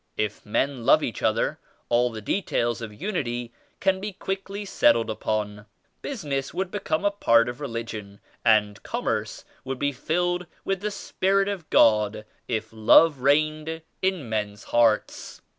If men love each other all the details of unity can be quickly settled upon. Business would become a part of Religion and Commerce would be filled with the Spirit of God if Love reigned in men's hearts.